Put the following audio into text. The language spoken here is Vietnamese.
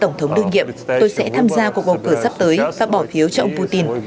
tổng thống đương nhiệm tôi sẽ tham gia cuộc bầu cử sắp tới và bỏ phiếu cho ông putin